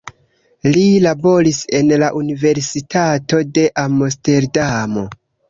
Li laboris en la universitato de Amsterdamo.